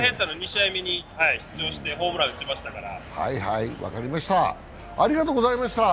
２試合目に出場してホームランを打ちましたから。